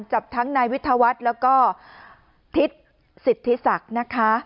จับทั้งนายวิทยาวัฒน์แล้วก็ทิศสิทธิศักดิ์นะคะ